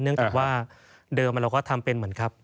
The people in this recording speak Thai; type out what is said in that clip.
เนื่องจากว่าเดิมเราก็ทำเป็นเหมือนครับ